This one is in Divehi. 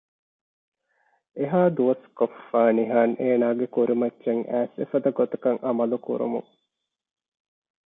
އެހާ ދުވަސްކޮށްފައި ނިހާން އޭނަގެ ކުރިމައްޗަށް އައިސް އެފަދަ ގޮތަކަށް އަމަލު ކުރުމުން